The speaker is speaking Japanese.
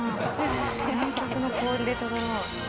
「南極の氷でととのう」。